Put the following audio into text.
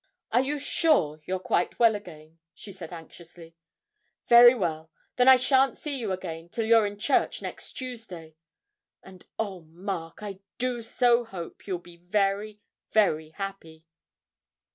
'Are you sure you're quite well again?' she said anxiously. 'Very well, then I shan't see you again till you're in church next Tuesday; and oh, Mark, I do so hope you'll be very, very happy!'